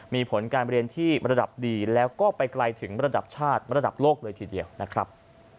มีผลการเรียนที่ระดับดีแล้วก็ไปไกลถึงระดับชาติระดับโลกเลยทีเดียวนะครับ